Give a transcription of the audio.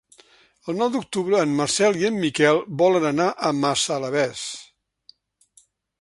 El nou d'octubre en Marcel i en Miquel volen anar a Massalavés.